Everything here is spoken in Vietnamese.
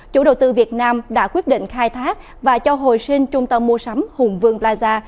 chủ đầu tư việt nam đã quyết định khai thác và cho hồi sinh trung tâm mua sắm hùng vương plaza